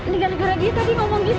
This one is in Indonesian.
dengan gara gara dia tadi ngomong gitu nih